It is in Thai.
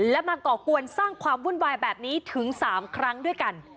และมาก่อกวนสร้างความวุ่นวายแบบนี้ถึง๓ครั้งด้วยกัน